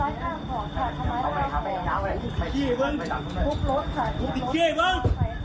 โอ้น้องบ้าจัง